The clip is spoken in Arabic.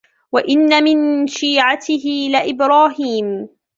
وَإِنَّ مِنْ شِيعَتِهِ لَإِبْرَاهِيمَ